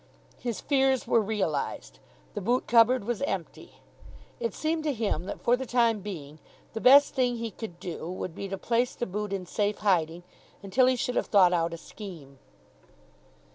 His fears were realised. The boot cupboard was empty. It seemed to him that, for the time being, the best thing he could do would be to place the boot in safe hiding, until he should have thought out a scheme.